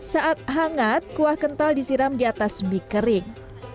saat hangat kuah kental disiram di atas mie kering